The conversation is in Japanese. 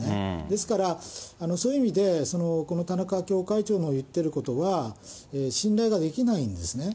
ですから、そういう意味でこの田中教会長の言ってることは、信頼ができないんですね。